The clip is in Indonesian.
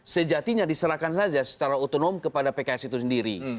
sejatinya diserahkan saja secara otonom kepada pks itu sendiri